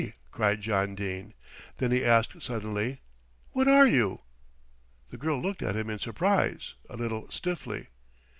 cried John Dene, then he asked suddenly: "What are you?" The girl looked at him in surprise, a little stiffly.